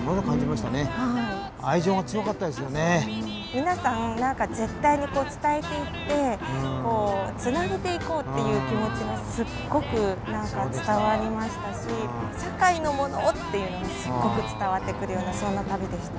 皆さん何か絶対に伝えていってこうつなげていこうっていう気持ちがすっごく何か伝わりましたし堺のものをっていうのがすっごく伝わってくるようなそんな旅でしたね。